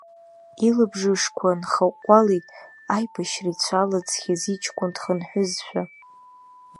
Илабжышқәа нхаҟәҟәалеит, аибашьра ицәалаӡхьаз иҷкәын дхынҳәызшәа.